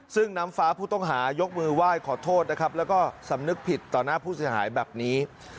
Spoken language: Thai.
ซึ่งน้ำฟ้าผู้ต้องหายกมือไหว้ขอโทษนะครับแล้วก็สำนึกผิดต่อหน้าผู้เสียหายแบบนี้